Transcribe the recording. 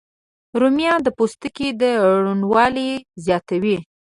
رومیان د پوستکي روڼوالی زیاتوي